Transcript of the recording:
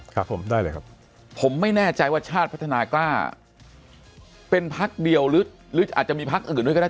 ครับผมได้เลยครับผมไม่แน่ใจว่าชาติพัฒนากล้าเป็นพักเดียวหรืออาจจะมีพักอื่นด้วยก็ได้